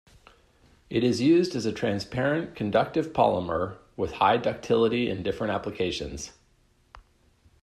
It is used as a transparent, conductive polymer with high ductility in different applications.